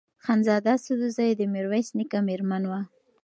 خانزاده سدوزۍ د میرویس نیکه مېرمن وه.